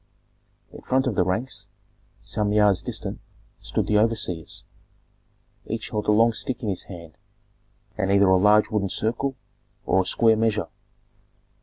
In front of the ranks, some yards distant, stood the overseers; each held a long stick in his hand, and either a large wooden circle or a square measure.